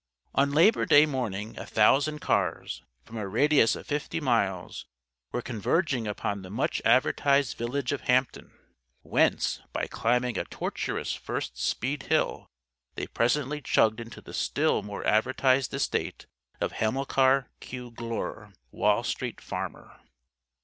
On Labor Day morning a thousand cars, from a radius of fifty miles, were converging upon the much advertised village of Hampton; whence, by climbing a tortuous first speed hill, they presently chugged into the still more advertised estate of Hamilcar Q. Glure, Wall Street Farmer.